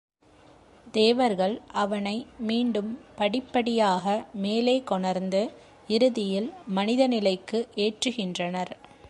தேவர்கள் அவனை மீண்டும் படிப்படியாக மேலே கொணர்ந்து இறுதியில் மனித நிலைக்கு ஏற்றுகின்றனர்.